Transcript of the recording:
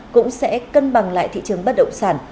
cũng sẽ cân bằng lại thị trường bất động sản